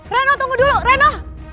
reno tunggu dulu reno